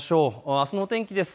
あすの天気です。